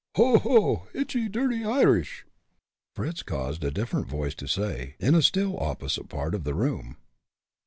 "Ho! ho! itchy, dirdty Irish!" Fritz caused a different voice to say, in a still opposite part of the room.